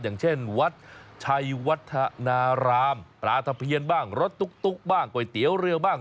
อย่างเช่นวัดชัยวัฒนารามปลาตะเพียนบ้างรถตุ๊กบ้างก๋วยเตี๋ยวเรือบ้าง